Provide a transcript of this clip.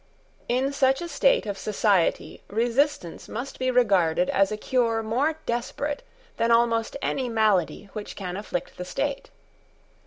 In such a state of society resistance must be regarded as a cure more desperate than almost any malady which can afflict the state.